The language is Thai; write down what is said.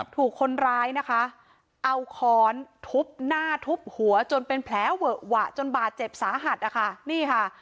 ถูกคนร้ายนะคะเอาค้อนทุบหน้าทุบหัวจนเป็นแผลเวอะหวะจนบาดเจ็บสาหัสนะคะนี่ค่ะ